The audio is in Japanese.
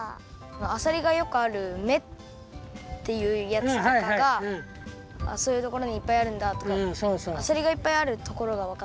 あさりがよくある目っていうやつとかがそういうところにいっぱいあるんだとかあさりがいっぱいあるところがわかった。